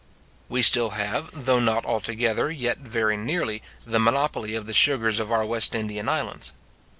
We still have, though not altogether, yet very nearly, the monopoly of the sugars of our West Indian islands.